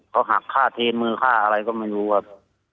เขาหักฆ่าเทมือฆ่าอะไรก็ไม่รู้ครับ